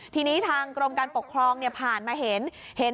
ทีนี้ทางกรมการปกครองผ่านมาเห็น